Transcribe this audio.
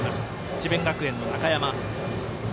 智弁学園の中山。